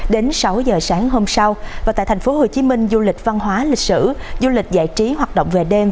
đến sáu giờ sáng hôm sau và tại tp hcm du lịch văn hóa lịch sử du lịch giải trí hoạt động về đêm